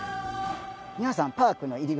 皆さんパークの入り口